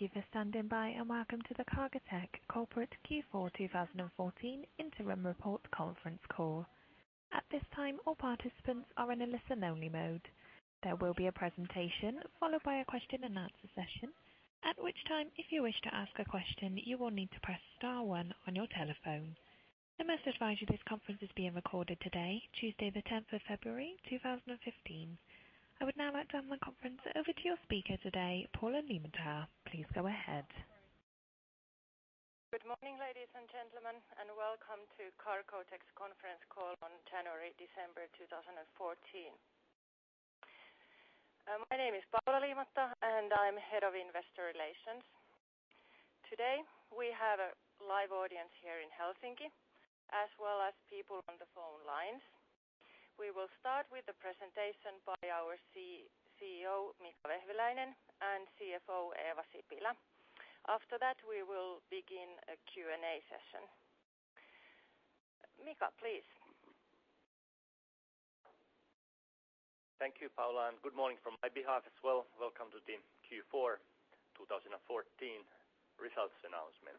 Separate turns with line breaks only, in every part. Thank you for standing by, and welcome to the Cargotec Corporate Q4 2014 Interim Report Conference Call. At this time, all participants are in a listen-only mode. There will be a presentation, followed by a question-and-answer session. At which time, if you wish to ask a question, you will need to press star one on your telephone. I must advise you this conference is being recorded today, Tuesday, the 10th of February, 2015. I would now like to hand the conference over to your speaker today, Paula Liimatta. Please go ahead.
Good morning, ladies and gentlemen, welcome to Cargotec's conference call on December 2014. My name is Paula Liimatta, I'm Head of Investor Relations. Today, we have a live audience here in Helsinki, as well as people on the phone lines. We will start with the presentation by our CEO, Mika Vehviläinen, and CFO, Eeva Sipilä. After that, we will begin a Q&A session. Mika, please.
Thank you, Paula. Good morning from my behalf as well. Welcome to the Q4 2014 results announcement.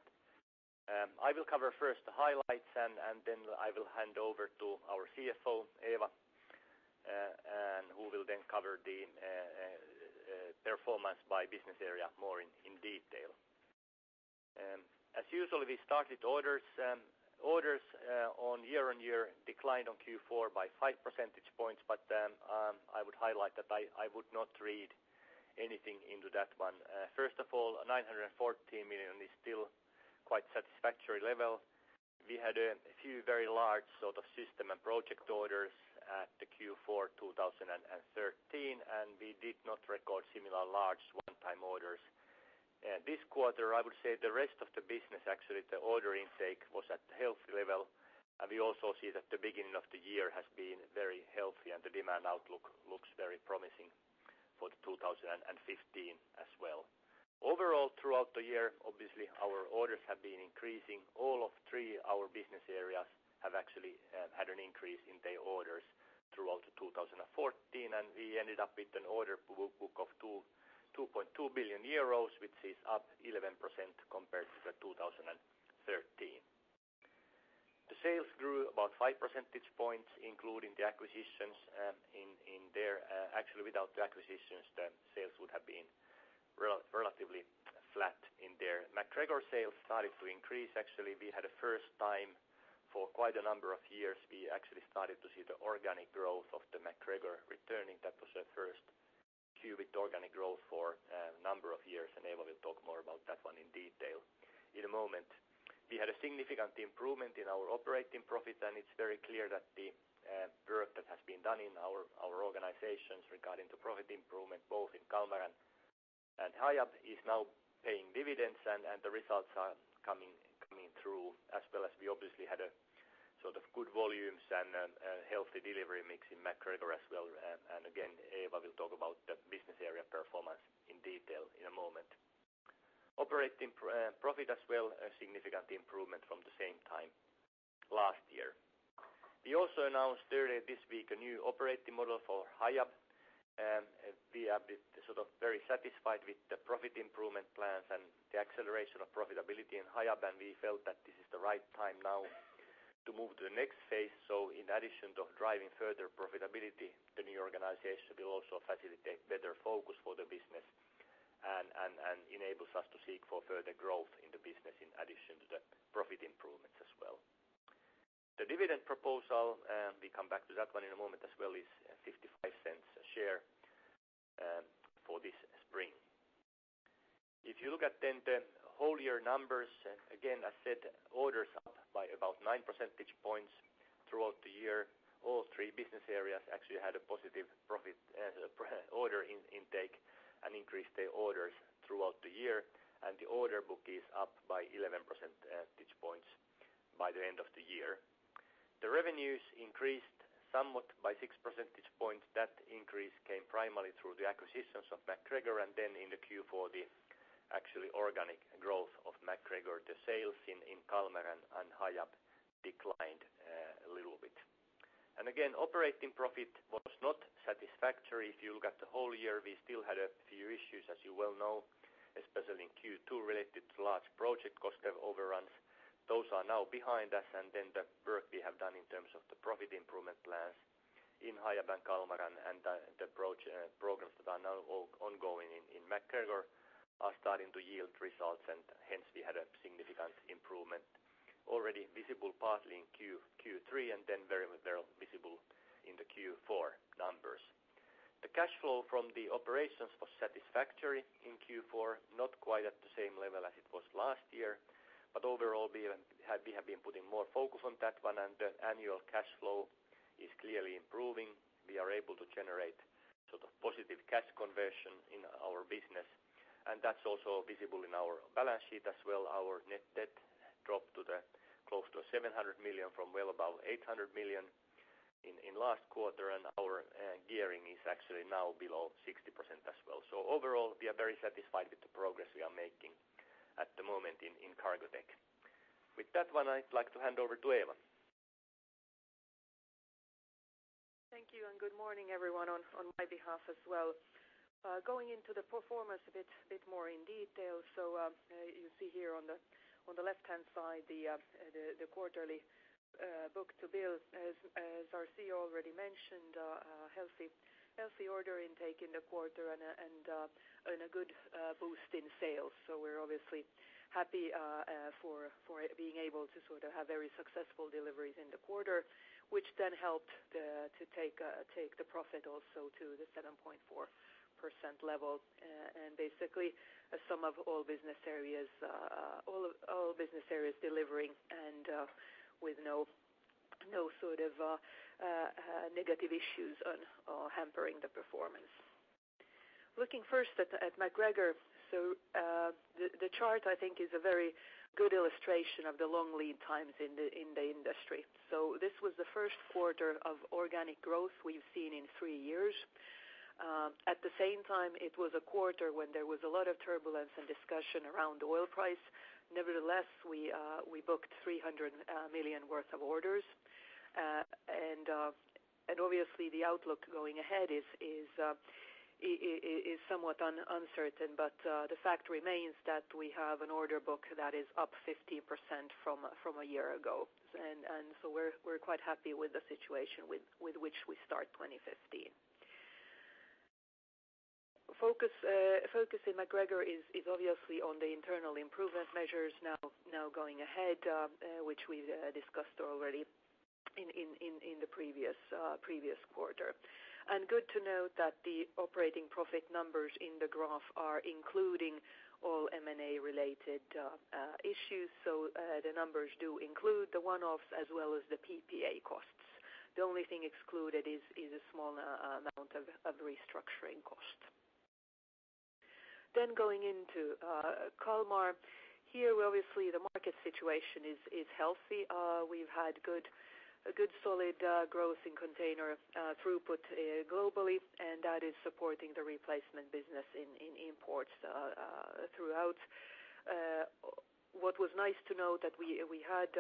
I will cover first the highlights, and then I will hand over to our CFO, Eeva, who will then cover the performance by business area more in detail. As usual, we started orders. Orders on year-on-year declined on Q4 by 5 percentage points, I would highlight that I would not read anything into that one. First of all, 914 million is still quite satisfactory level. We had a few very large sort of system and project orders at the Q4 2013. We did not record similar large one-time orders. This quarter, I would say the rest of the business, actually, the order intake was at healthy level. We also see that the beginning of the year has been very healthy, and the demand outlook looks very promising for the 2015 as well. Overall, throughout the year, obviously, our orders have been increasing. All of three our business areas have actually had an increase in their orders throughout the 2014, we ended up with an order book of 2.2 billion euros, which is up 11% compared to the 2013. The sales grew about 5 percentage points, including the acquisitions in there. Actually, without the acquisitions, the sales would have been relatively flat in there. MacGregor sales started to increase. Actually, we had a first time for quite a number of years, we actually started to see the organic growth of the MacGregor returning. That was the first cubic organic growth for a number of years, and Eeva will talk more about that one in detail in a moment. We had a significant improvement in our operating profit, and it's very clear that the work that has been done in our organizations regarding the profit improvement, both in Kalmar and Hiab, is now paying dividends. The results are coming through as well as we obviously had a sort of good volumes and a healthy delivery mix in MacGregor as well. Again, Eeva will talk about the business area performance in detail in a moment. Operating profit as well, a significant improvement from the same time last year. We also announced earlier this week a new operating model for Hiab. We are sort of very satisfied with the profit improvement plans and the acceleration of profitability in Hiab, and we felt that this is the right time now to move to the next phase. In addition to driving further profitability, the new organization will also facilitate better focus for the business and enables us to seek for further growth in the business in addition to the profit improvements as well. The dividend proposal, we come back to that one in a moment as well, is 0.55 a share for this spring. If you look at then the whole year numbers, again, I said, orders up by about 9 percentage points throughout the year. All three business areas actually had a positive profit, order intake and increased their orders throughout the year. The order book is up by 11 percentage points by the end of the year. The revenues increased somewhat by 6 percentage points. That increase came primarily through the acquisitions of MacGregor. Then in the Q4, the actually organic growth of MacGregor, the sales in Kalmar and Hiab declined a little bit. Again, operating profit was not satisfactory. If you look at the whole year, we still had a few issues, as you well know, especially in Q2, related to large project cost overruns. Those are now behind us. The work we have done in terms of the profit improvement plans in Hiab and Kalmar and the pro-programs that are now on-ongoing in MacGregor are starting to yield results, and hence we had a significant improvement already visible partly in Q3 and then very well visible in the Q4 numbers. The cash flow from the operations was satisfactory in Q4, not quite at the same level as it was last year. Overall, we have been putting more focus on that one, and the annual cash flow is clearly improving. We are able to generate sort of positive cash conversion in our business, and that's also visible in our balance sheet as well. Our net debt dropped to the close to 700 million from well above 800 million in last quarter, and our gearing is actually now below 60% as well. Overall, we are very satisfied with the progress we are making at the moment in Cargotec. With that one, I'd like to hand over to Eeva.
Thank you. Good morning everyone on my behalf as well. Going into the performance a bit more in detail. You see here on the left-hand side, the quarterly book-to-bill as our CEO already mentioned, a healthy order intake in the quarter and a good boost in sales. We're obviously happy for being able to sort of have very successful deliveries in the quarter, which then helped to take the profit also to the 7.4% level, and basically a sum of all business areas, all business areas delivering and with no sort of negative issues on hampering the performance. Looking first at MacGregor. The chart I think is a very good illustration of the long lead times in the industry. This was the Q1 of organic growth we've seen in three years. At the same time, it was a quarter when there was a lot of turbulence and discussion around oil price. Nevertheless, we booked 300 million worth of orders. And obviously the outlook going ahead is somewhat uncertain, but the fact remains that we have an order book that is up 50% from a year ago. So we're quite happy with the situation with which we start 2015. Focus, focus in MacGregor is obviously on the internal improvement measures now going ahead, which we discussed already in the previous quarter. Good to note that the operating profit numbers in the graph are including all M&A related issues. The numbers do include the one-offs as well as the PPA costs. The only thing excluded is a small amount of restructuring costs. Going into Kalmar. Here, obviously the market situation is healthy. We've had good, a good solid growth in container throughput globally, and that is supporting the replacement business in imports throughout. What was nice to note that we had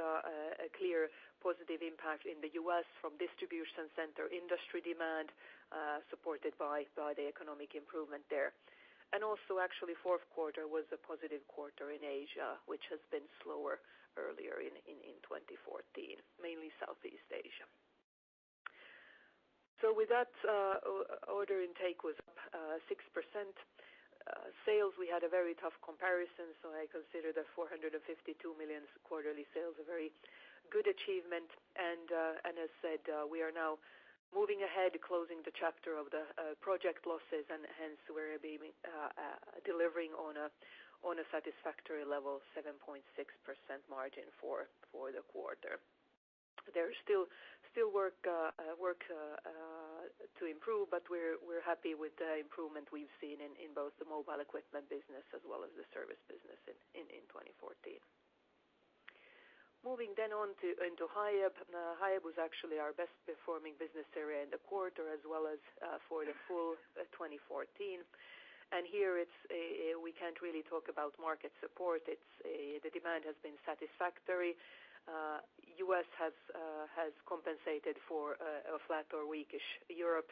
a clear positive impact in the US from distribution center industry demand, supported by the economic improvement there. Actually Q4 was a positive quarter in Asia, which has been slower earlier in 2014, mainly Southeast Asia. Order intake was up 6%. Sales, we had a very tough comparison, so I consider the 452 million quarterly sales a very good achievement. As said, we are now moving ahead closing the chapter of the project losses and hence we're being delivering on a satisfactory level, 7.6% margin for the quarter. There's still work to improve, but we're happy with the improvement we've seen in both the mobile equipment business as well as the service business in 2014. Moving on to Hiab. Hiab was actually our best performing business area in the quarter as well as for the full 2014. Here it's, we can't really talk about market support. It's, the demand has been satisfactory. US has compensated for a flat or weak-ish Europe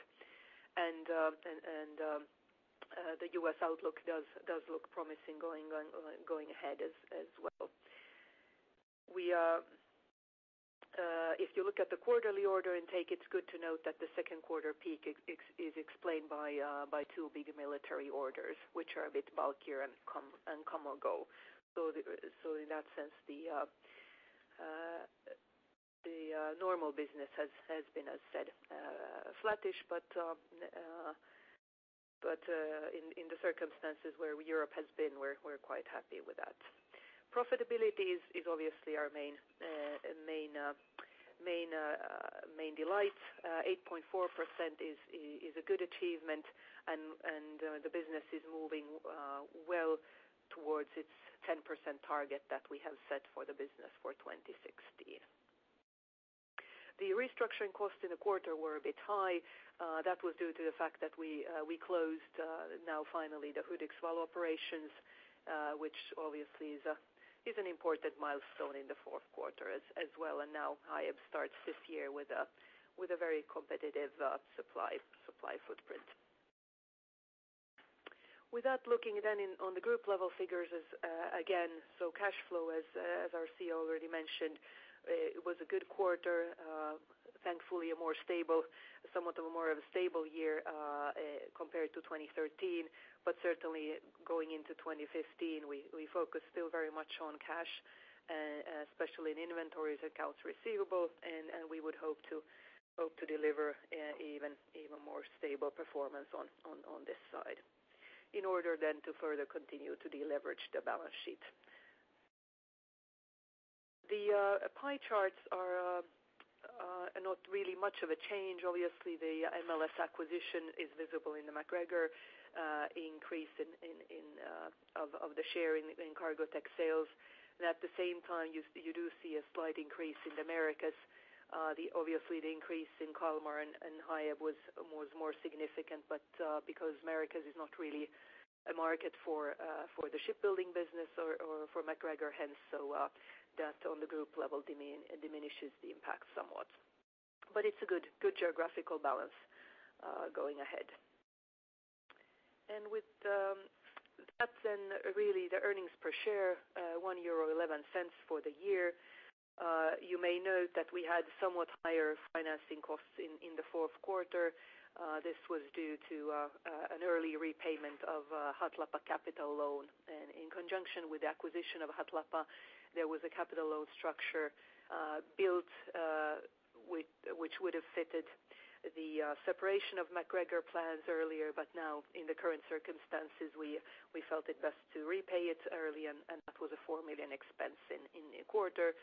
and the US outlook does look promising going ahead as well. We, if you look at the quarterly order intake, it's good to note that the Q2 peak is explained by two big military orders, which are a bit bulkier and come or go. In that sense, the normal business has been, as said, flattish. In the circumstances where Europe has been, we're quite happy with that. Profitability is obviously our main delight. 8.4% is a good achievement and the business is moving well towards its 10% target that we have set for the business for 2016. The restructuring costs in the quarter were a bit high. That was due to the fact that we closed now finally the Hudiksvall operations, which obviously is an important milestone in the Q4 as well. Now Hiab starts this year with a very competitive supply footprint. With that, looking then on the group level figures is again, cash flow as our CEO already mentioned, it was a good quarter. Thankfully a more stable, somewhat of a more of a stable year compared to 2013, but certainly going into 2015, we focus still very much on cash, especially in inventories accounts receivable, and we would hope to deliver an even more stable performance on this side in order then to further continue to deleverage the balance sheet. The pie charts are not really much of a change. Obviously, the MLS acquisition is visible in the MacGregor increase in the share in Cargotec sales. At the same time, you do see a slight increase in the Americas. The obviously the increase in Kalmar and Hiab was more significant. Because Americas is not really a market for the shipbuilding business or for MacGregor, hence so, that on the group level diminishes the impact somewhat. But it's a good geographical balance going ahead. With that then really the earnings per share 1.11 euro for the year. You may note that we had somewhat higher financing costs in the Q4. This was due to an early repayment of Hatlapa capital loan. In conjunction with the acquisition of Hatlapa, there was a capital loan structure built which would have fitted the separation of MacGregor plans earlier. Now in the current circumstances, we felt it best to repay it early and that was a 4 million expense in the quarter.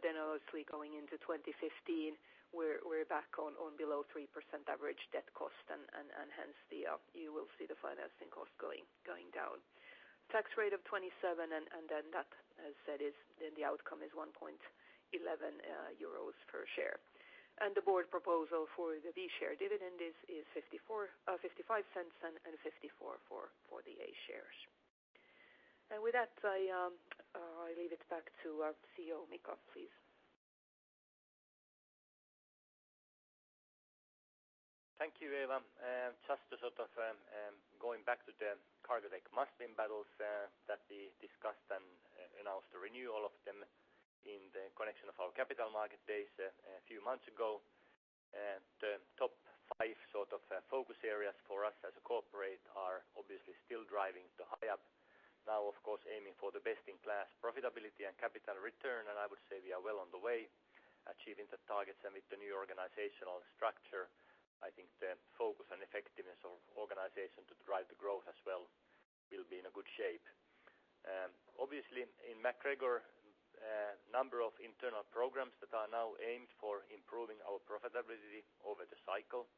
Then obviously going into 2015, we're back on below 3% average debt cost and hence the, you will see the financing cost going down. Tax rate of 27% and then that as said is then the outcome is 1.11 euros per share. The board proposal for the B share dividend is 0.55 and 0.54 for the A shares. With that, I leave it back to our CEO, Mika, please.
Thank you, Eeva. Just to sort of going back to the Cargotec Must Win Battles that we discussed and announced the renewal of them in the connection of our capital market days a few months ago. The top five sort of focus areas for us as a corporate are obviously still driving the Hiab. Now, of course, aiming for the best in class profitability and capital return, and I would say we are well on the way achieving the targets. With the new organizational structure, I think the focus and effectiveness of organization to drive the growth as well will be in a good shape. Obviously in MacGregor, number of internal programs that are now aimed for improving our profitability over the cycle.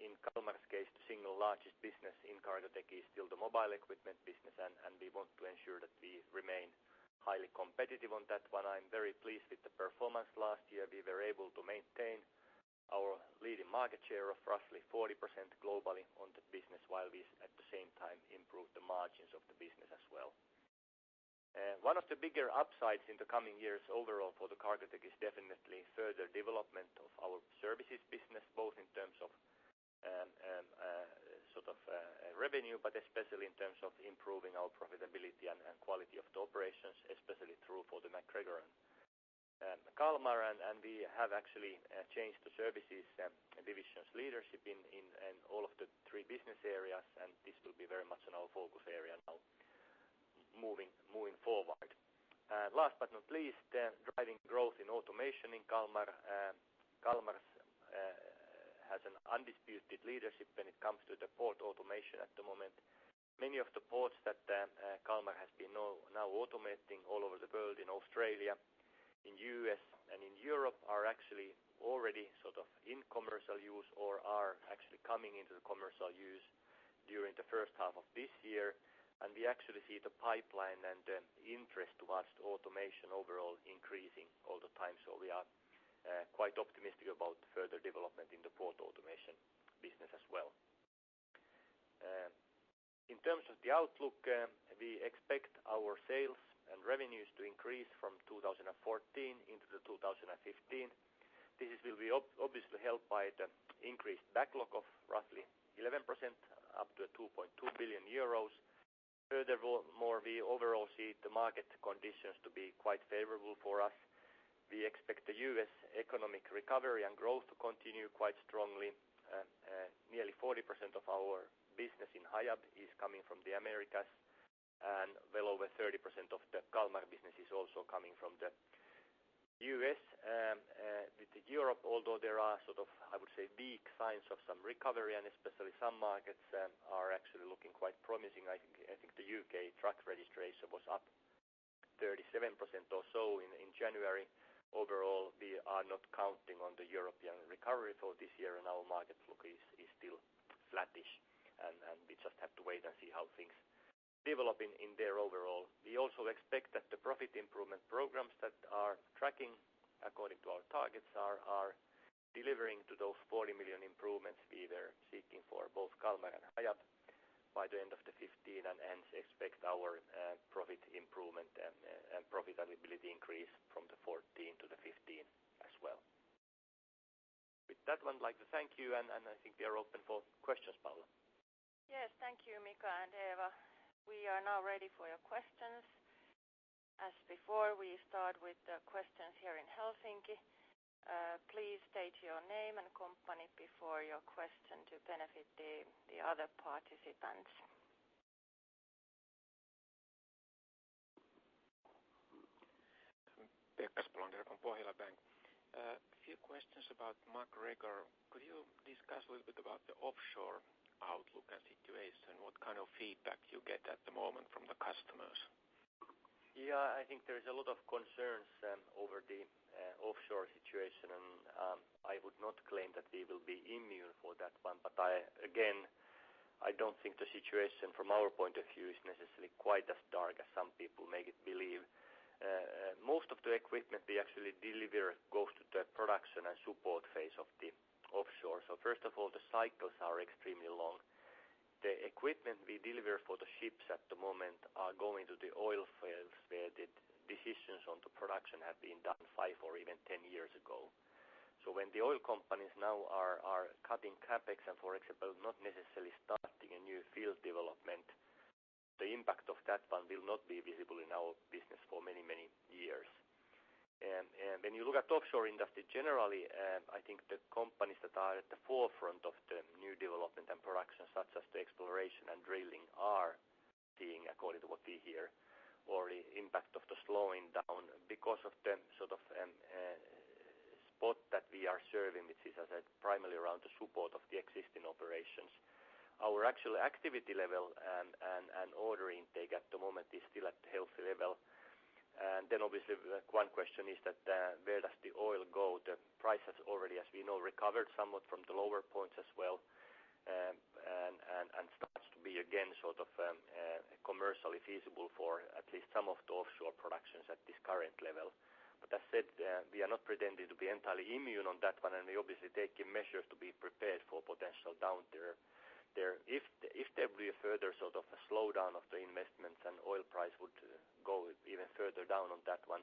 In Kalmar's case, the single largest business in Cargotec is still the mobile equipment business, and we want to ensure that we remain highly competitive on that one. I'm very pleased with the performance last year. We were able to maintain our leading market share of roughly 40% globally on the business, while we at the same time improved the margins of the business as well. One of the bigger upsides in the coming years overall for Cargotec is definitely further development of our services business, both in terms of sort of revenue, but especially in terms of improving our profitability and quality of the operations, especially through for MacGregor and Kalmar. We have actually changed the services divisions leadership in all of the three business areas, and this will be very much in our focus area now moving forward. Last but not least, driving growth in automation in Kalmar. Kalmar's has an undisputed leadership when it comes to the port automation at the moment. Many of the ports that Kalmar has been now automating all over the world in Australia, in US, and in Europe, are actually already sort of in commercial use or are actually coming into the commercial use during the 1st half of this year. We actually see the pipeline and interest towards the automation overall increasing all the time. We are quite optimistic about further development in the port automation business as well. In terms of the outlook, we expect our sales and revenues to increase from 2014 into the 2015. This will be obviously helped by the increased backlog of roughly 11%, up to 2.2 billion euros. We overall see the market conditions to be quite favorable for us. We expect the US economic recovery and growth to continue quite strongly. Nearly 40% of our business in Hiab is coming from the Americas, and well over 30% of the Kalmar business is also coming from the US With the Europe, although there are sort of, I would say, weak signs of some recovery and especially some markets, are actually looking quite promising. I think the UK truck registration was up 37% or so in January. Overall, we are not counting on the European recovery for this year, and our market look is still flattish. We just have to wait and see how things develop in there overall. We also expect that the profit improvement programs that are tracking according to our targets are delivering to those 40 million improvements we were seeking for both Kalmar and Hiab by the end of 2015. Hence expect our profit improvement and profitability increase from 2014 to 2015 as well. With that, I'd like to thank you, and I think we are open for questions, Paula.
Yes, thank you, Mika and Eva. We are now ready for your questions. As before, we start with the questions here in Helsinki. Please state your name and company before your question to benefit the other participants.
[inaudible] of Pohjola Bank. A few questions about MacGregor. Could you discuss a little bit about the offshore outlook and situation? What kind of feedback you get at the moment from the customers?
Yeah, I think there is a lot of concerns over the offshore situation. I would not claim that we will be immune for that one. I, again, I don't think the situation from our point of view is necessarily quite as dark as some people make it believe. Most of the equipment we actually deliver goes to the production and support phase of the offshore. First of all, the cycles are extremely long. The equipment we deliver for the ships at the moment are going to the oil fields where the decisions on the production have been done five or even 10 years ago. When the oil companies now are cutting CapEx and for example not necessarily starting a new field development, the impact of that one will not be visible in our business for many, many years. When you look at offshore industry generally, I think the companies that are at the forefront of the new development and production, such as the exploration and drilling are seeing according to what we hear or impact of the slowing down because of the sort of, spot that we are serving, which is as a primarily around the support of the existing operations. Our actual activity level and order intake at the moment is still at healthy level. Obviously the one question is that, where does the oil go? The price has already, as we know, recovered somewhat from the lower points as well, and starts to be again sort of, commercially feasible for at least some of the offshore productions at this current level. That said, we are not pretending to be entirely immune on that one, and we're obviously taking measures to be prepared for potential downturn there. If there will be a further sort of a slowdown of the investments and oil price would go even further down on that one,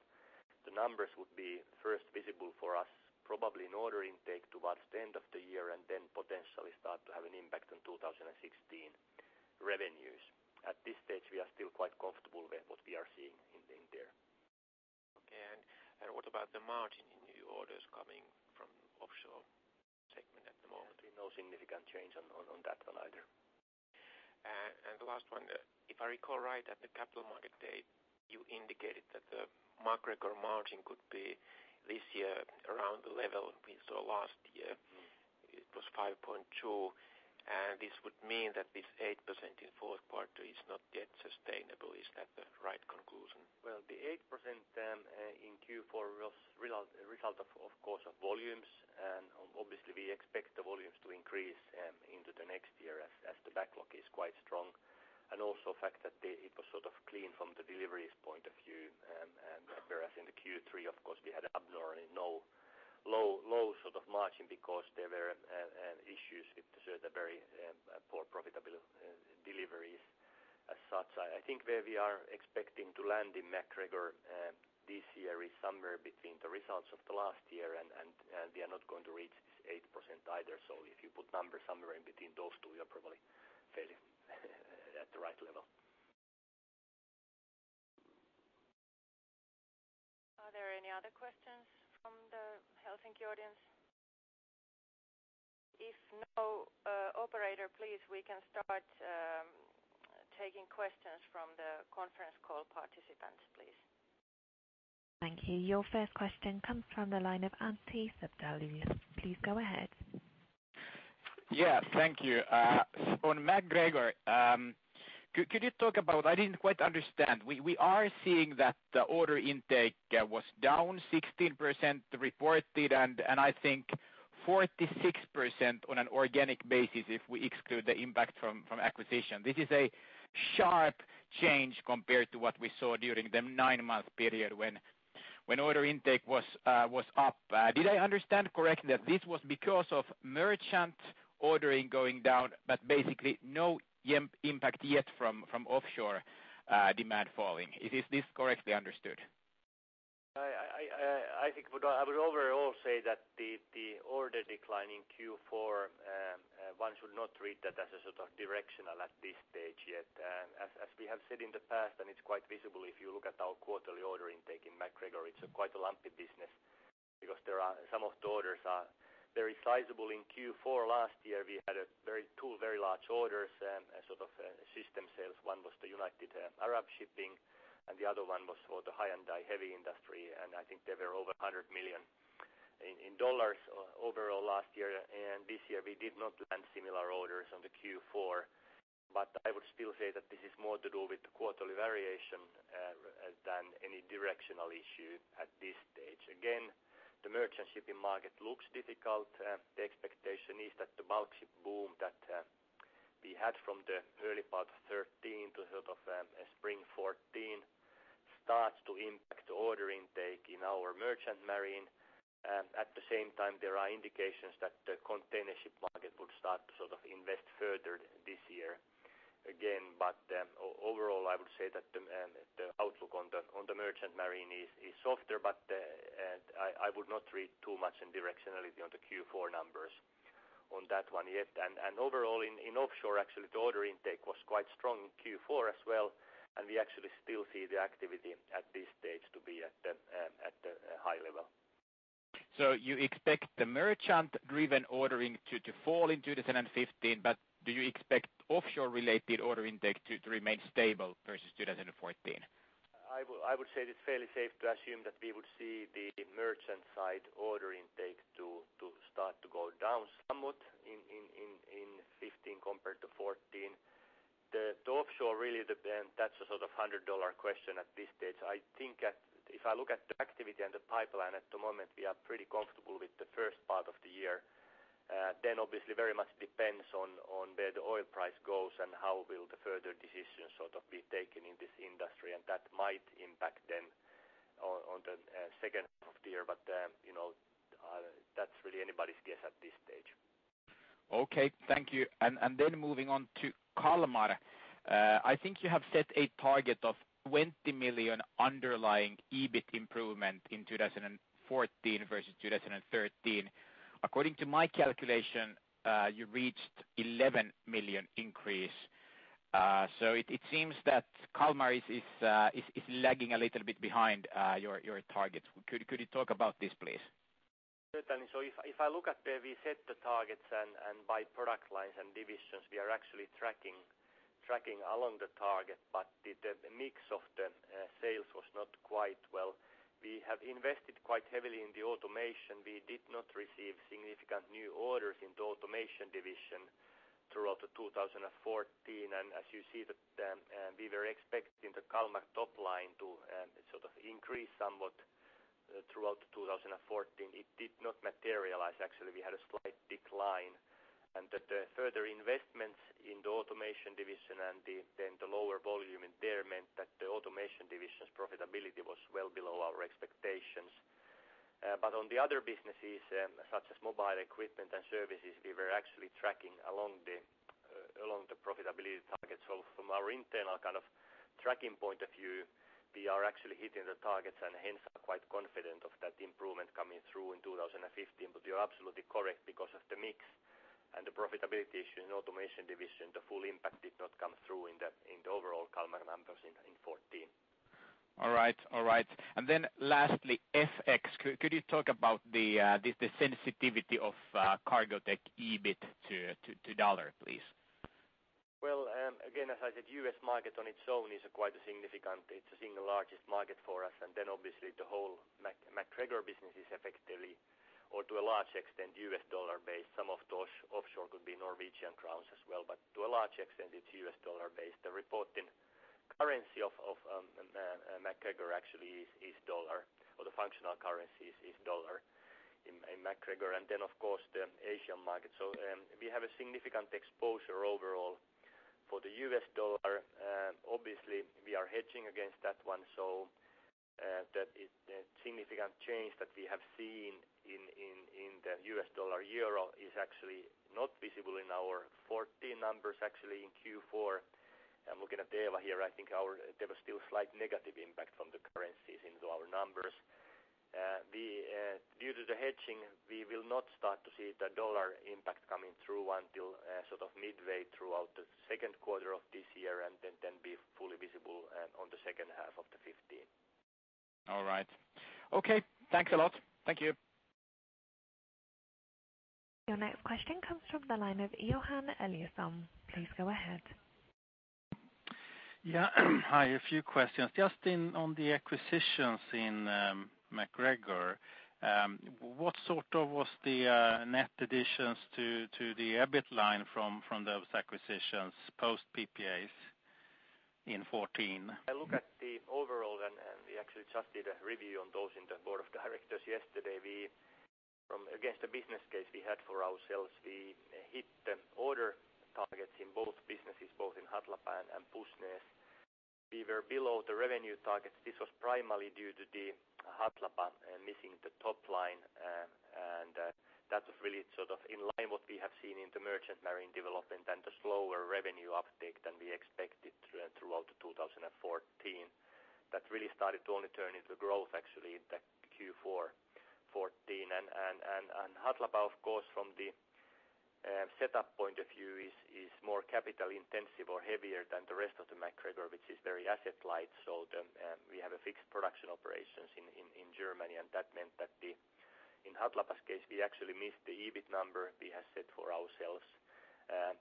the numbers would be first visible for us, probably in order intake towards the end of the year and then potentially start to have an impact on 2016 revenues. At this stage, we are still quite comfortable with what we are seeing in there.
Okay. What about the margin in new orders coming from offshore segment at the moment?
No significant change on that one either.
The last one, if I recall right at the capital market date, you indicated that the MacGregor margin could be this year around the level we saw last year.
Mm-hmm.
It was 5.2%, and this would mean that this 8% in Q4 is not yet sustainable. Is that the right conclusion?
Well, the 8% in Q4 was a result of course, of volumes. Obviously we expect the volumes to increase into the next year as the backlog is quite strong. Also fact that it was sort of clean from the deliveries point of view, whereas in the Q3 of course, we had abnormally low sort of margin because there were issues with the very poor profitability deliveries. As such, I think where we are expecting to land in MacGregor this year is somewhere between the results of the last year and we are not going to reach this 8% either. If you put numbers somewhere in between those two, you're probably fairly at the right level.
Are there any other questions from the Helsinki audience? If no, operator, please, we can start taking questions from the conference call participants, please.
Thank you. Your first question comes from the line of Antti Suttelin. Please go ahead.
Yeah, thank you. On MacGregor, could you talk about? I didn't quite understand. We are seeing that the order intake was down 16%, the reported, and I think 46% on an organic basis if we exclude the impact from acquisition. This is a sharp change compared to what we saw during the nine-month period when order intake was up. Did I understand correctly that this was because of merchant ordering going down, but basically no impact yet from offshore demand falling? Is this correctly understood?
I think what I would overall say that the order decline in Q4, one should not read that as a sort of directional at this stage yet. As we have said in the past, and it's quite visible if you look at our quarterly order intake in MacGregor, it's a quite a lumpy business because some of the orders are very sizable. In Q4 last year, we had two very large orders and a sort of system sales. One was the United Arab Shipping, and the other one was for the Hyundai Heavy Industry, and I think they were over $100 million overall last year. This year we did not land similar orders on the Q4, but I would still say that this is more to do with the quarterly variation than any directional issue at this stage. The merchant shipping market looks difficult. The expectation is that the bulk ship boom that we had from the early part of 2013 to sort of spring 2014 starts to impact the order intake in our merchant marine. At the same time, there are indications that the container ship market will start to sort of invest further this year again. Overall, I would say that the outlook on the merchant marine is softer, but I would not read too much in directionality on the Q4 numbers on that one yet. Overall in offshore, actually the order intake was quite strong in Q4 as well, and we actually still see the activity at this stage to be at the high level.
You expect the merchant-driven ordering to fall in 2015, but do you expect offshore-related order intake to remain stable versus 2014?
I would say it is fairly safe to assume that we would see the merchant side order intake to start to go down somewhat in 15 compared to 14. The offshore really then that's a sort of $100 question at this stage. I think if I look at the activity and the pipeline at the moment, we are pretty comfortable with the first part of the year. obviously very much depends on where the oil price goes and how will the further decisions sort of be taken in this industry. That might impact then on the second half of the year. you know, that's really anybody's guess.
Okay, thank you. Then moving on to Kalmar. I think you have set a target of 20 million underlying EBIT improvement in 2014 versus 2013. According to my calculation, you reached 11 million increase. It seems that Kalmar is lagging a little bit behind your targets. Could you talk about this, please?
Certainly. If I look at where we set the targets and by product lines and divisions, we are actually tracking along the target. The mix of the sales was not quite well. We have invested quite heavily in the automation. We did not receive significant new orders in the automation division throughout 2014. As you see that, we were expecting the Kalmar top line to sort of increase somewhat throughout 2014. It did not materialize. Actually, we had a slight decline. That further investments in the automation division and then the lower volume in there meant that the automation division's profitability was well below our expectations. On the other businesses, such as mobile equipment and services, we were actually tracking along the profitability targets. From our internal kind of tracking point of view, we are actually hitting the targets and hence are quite confident of that improvement coming through in 2015. You're absolutely correct because of the mix and the profitability issue in automation division, the full impact did not come through in the overall Kalmar numbers in 2014.
All right, all right. Lastly, FX, could you talk about the sensitivity of Cargotec EBIT to dollar, please?
Again, as I said, US market on its own is quite significant. It's the single largest market for us. Obviously the whole MacGregor business is effectively or to a large extent US dollar based. Some of those offshore could be Norwegian crowns as well, but to a large extent it's US dollar based. The reported currency of MacGregor actually is dollar, or the functional currency is dollar in MacGregor. Of course the Asian market. We have a significant exposure overall for the US dollar. Obviously we are hedging against that one, that is the significant change that we have seen in the US dollar/euro is actually not visible in our 14 numbers. Actually, in Q4, I'm looking at data here, I think there was still slight negative impact from the currencies into our numbers. Due to the hedging, we will not start to see the dollar impact coming through until sort of midway throughout the Q2 of this year and then be fully visible on the second half of 2015.
All right. Okay. Thanks a lot. Thank you.
Your next question comes from the line of Johan Eliasson. Please go ahead.
Yeah. Hi, a few questions. Just in on the acquisitions in MacGregor, what sort of was the net additions to the EBIT line from those acquisitions post PPAs in 2014?
I look at the overall and we actually just did a review on those in the board of directors yesterday. We, against the business case we had for ourselves, we hit the order targets in both businesses, both in Hatlapa and Pusnes. We were below the revenue targets. This was primarily due to the Hatlapa missing the top line. That was really sort of in line what we have seen in the merchant marine development and the slower revenue uptake than we expected throughout 2014. That really started to only turn into growth actually in the Q4 2014. Hatlapa of course from the setup point of view is more capital intensive or heavier than the rest of the MacGregor, which is very asset light. The, we have a fixed production operations in, in Germany, and that meant that the, in Hatlapa's case, we actually missed the EBIT number we had set for ourselves.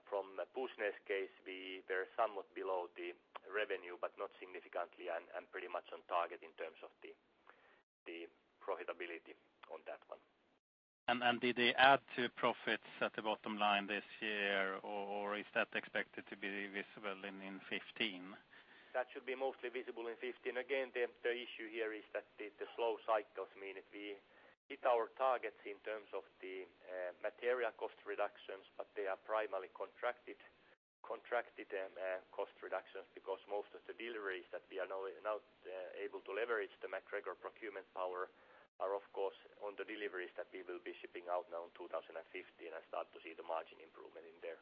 From Pusne's case, we, they're somewhat below the revenue, but not significantly and pretty much on target in terms of the profitability on that one.
Did they add to profits at the bottom line this year or is that expected to be visible in 2015?
That should be mostly visible in 2015. Again, the issue here is that the slow cycles mean we hit our targets in terms of the material cost reductions, but they are primarily contracted cost reductions because most of the deliveries that we are now able to leverage the MacGregor procurement power are of course on the deliveries that we will be shipping out now in 2015 and start to see the margin improvement in there.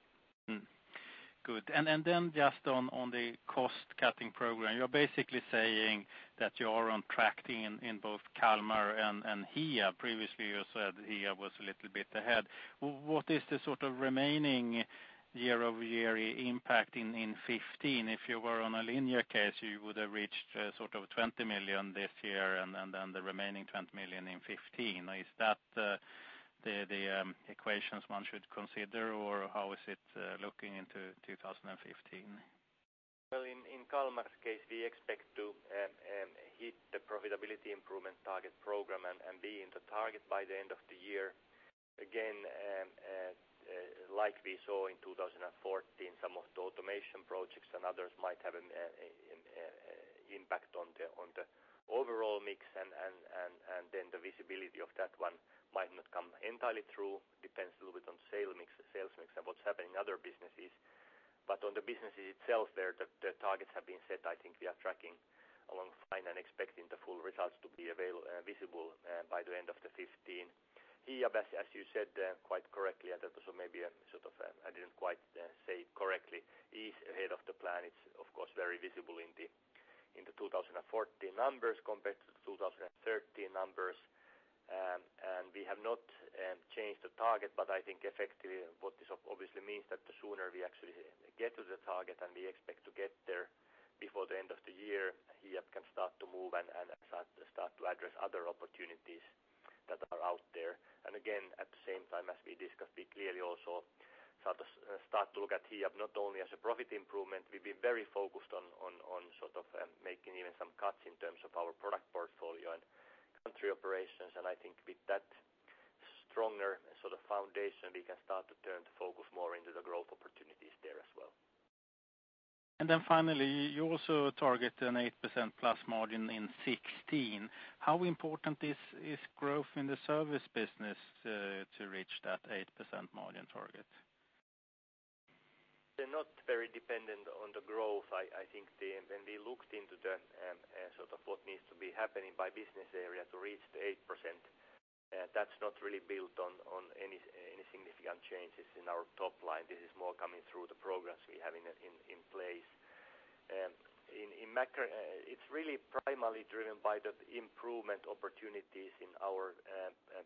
Good. Then just on the cost cutting program, you're basically saying that you're on track in both Kalmar and Hiab. Previously you said Hiab was a little bit ahead. What is the sort of remaining year-over-year impact in 2015? If you were on a linear case, you would have reached sort of 20 million this year and then the remaining 20 million in 2015. Is that the equations one should consider, or how is it looking into 2015?
Well, in Kalmar's case, we expect to hit the profitability improvement target program and be in the target by the end of the year. Again, like we saw in 2014, some of the automation projects and others might have an impact on the overall mix and then the visibility of that one might not come entirely through. Depends a little bit on sale mix, the sales mix and what's happening in other businesses. On the business itself, there, the targets have been set. I think we are tracking along fine and expecting the full results to be visible by the end of 2015. Hiab, as you said, quite correctly, and that was maybe a sort of, I didn't quite say correctly, is ahead of the plan. It's of course, very visible in the 2014 numbers compared to the 2013 numbers. We have not changed the target, but I think effectively what this obviously means that the sooner we actually get to the target, and we expect to get there before the end of the year, Hiab can start to move and start to address other opportunities that are out there. Again, at the same time as we discussed, we clearly also start to look at Hiab not only as a profit improvement. We've been very focused on sort of making even some cuts in terms of our product portfolio and country operations. I think with that stronger sort of foundation, we can start to turn to focus more into the growth opportunities there as well.
Finally, you also target an 8%+ margin in 2016. How important is growth in the service business to reach that 8% margin target?
They're not very dependent on the growth. When we looked into the sort of what needs to be happening by business area to reach the 8%, that's not really built on any significant changes in our top line. This is more coming through the programs we have in place. In MacGregor, it's really primarily driven by the improvement opportunities in our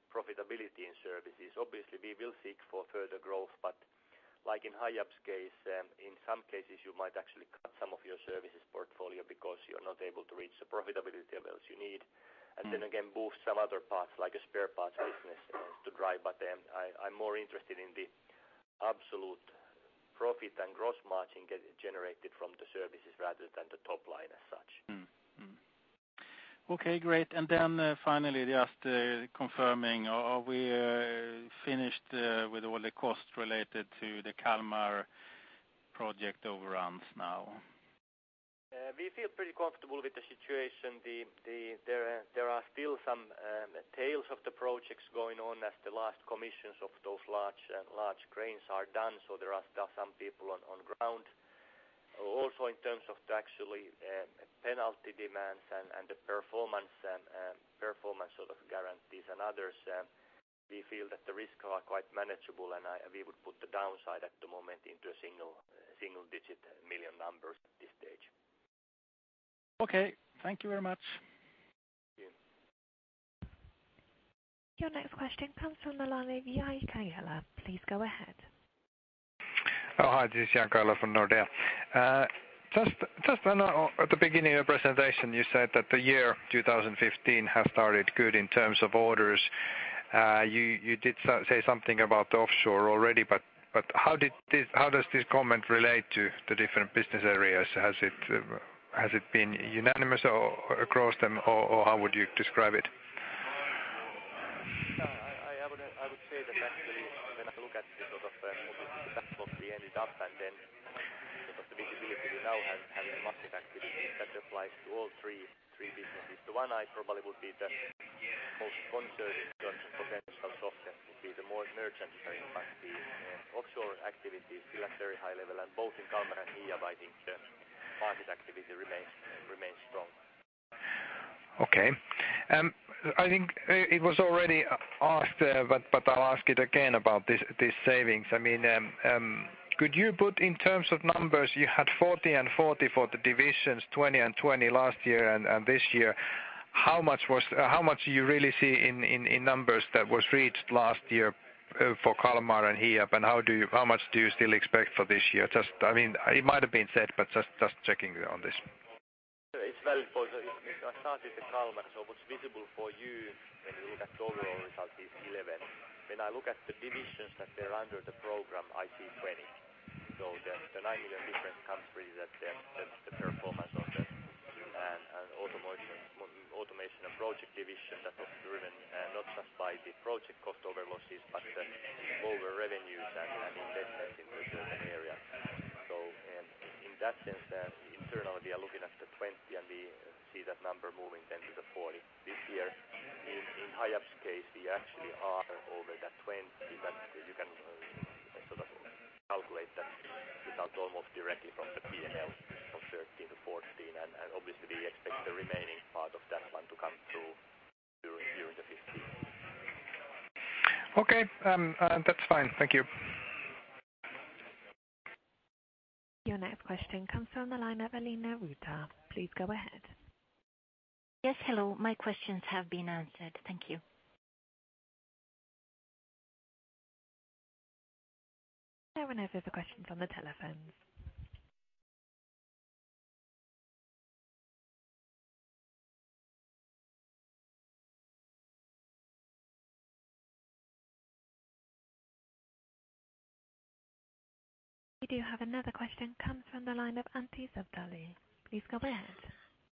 profitability in services. Obviously, we will seek for further growth, but like in Hiab's case, in some cases, you might actually cut some of your services portfolio because you're not able to reach the profitability levels you need. Boost some other parts, like a spare parts business to drive. I'm more interested in the absolute profit and gross margin get generated from the services rather than the top line as such.
Mm-hmm. Okay, great. finally, just confirming. Are we finished with all the costs related to the Kalmar project overruns now?
We feel pretty comfortable with the situation. There are still some tails of the projects going on as the last commissions of those large cranes are done, so there are still some people on ground. In terms of the actually penalty demands and the performance and performance sort of guarantees and others, we feel that the risks are quite manageable. We would put the downside at the moment into a single single-digit million numbers at this stage.
Okay. Thank you very much.
Yeah.
Your next question comes from the line of Jan-Carlo. Please go ahead.
Hi. This is Jan-Carlo from Nordea. just when at the beginning of your presentation, you said that the year 2015 has started good in terms of orders. you did say something about offshore already, but how does this comment relate to the different business areas? Has it been unanimous or across them, or how would you describe it?
I would say that actually, when I look at the sort of movement in the backlog we ended up and then sort of the visibility we now have having the market activity, that applies to all three businesses. The one I probably would be the most concerned in terms of potential softness would be the more merchant marine. The offshore activities still at very high level, and both in Kalmar and Hiab, I think the market activity remains strong.
Okay. I think it was already asked, but I'll ask it again about these savings. I mean, could you put in terms of numbers, you had 40 and 40 for the divisions, 20 and 20 last year and this year. How much do you really see in numbers that was reached last year for Kalmar and Hiab, and how much do you still expect for this year? Just, I mean, it might have been said, but just checking on this.
It's valid for the. I started the Kalmar, so what's visible for you when you look at the overall result is 11. When I look at the divisions that they're under the program, I see 20. The 9 million difference comes really that the performance of the automation and project division that was driven, not just by the project cost over losses, but the lower revenues and investments in the urban area. In that sense, then internally, we are looking at the 20, and we see that number moving then to the 40 this year. In Hiab's case, we actually are over the 20 that you can sort of calculate that result almost directly from the P&L from 2013 to 2014. Obviously we expect the remaining part of that one to come through during 2015.
Okay. That's fine. Thank you.
Your next question comes from the line of Alina Druta. Please go ahead.
Yes, hello. My questions have been answered. Thank you.
There were no further questions on the telephones. We do have another question, comes from the line of Antti Suttelin. Please go ahead.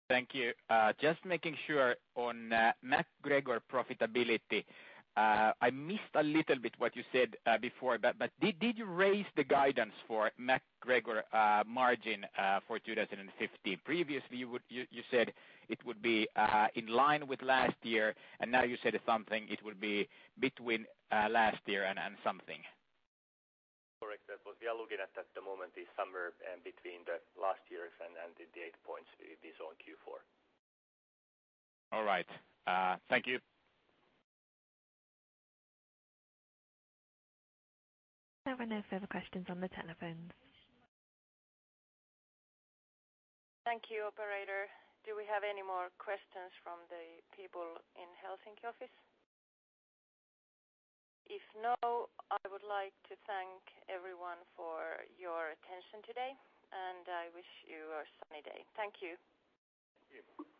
Thank you. Just making sure on MacGregor profitability. I missed a little bit what you said before, but did you raise the guidance for MacGregor margin for 2015? Previously, you said it would be in line with last year, and now you said something it would be between last year and something.
Correct. What we are looking at at the moment is somewhere, between the last year's and the data points we saw in Q4.
All right. Thank you.
There were no further questions on the telephones.
Thank you, operator. Do we have any more questions from the people in Helsinki office? If no, I would like to thank everyone for your attention today, and I wish you a sunny day. Thank you.
Thank you.
Thank you.